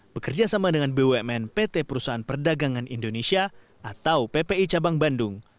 bekerja sama dengan bumn pt perusahaan perdagangan indonesia atau ppi cabang bandung